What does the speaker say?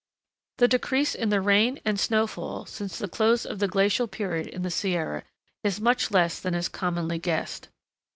The decrease in the rain and snow fall since the close of the glacial period in the Sierra is much less than is commonly guessed.